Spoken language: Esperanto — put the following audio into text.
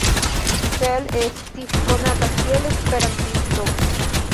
Eiffel estis konata kiel esperantisto.